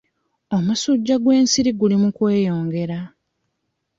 Omusujja gw'ensiri guli mu kweyongera.